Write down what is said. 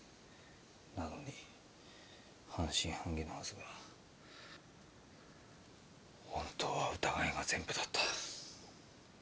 なのに半信半疑のはずが本当は疑いが全部だった。